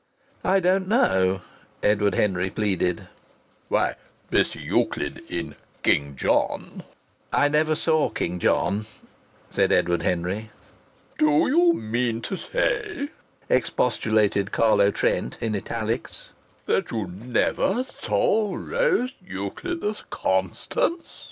"I don't know," Edward Henry pleaded. "Why Miss Euclid in 'King John' " "I never saw 'King John,'" said Edward Henry. "Do you mean to say," expostulated Carlo Trent in italics, "that you never saw Rose Euclid as Constance?"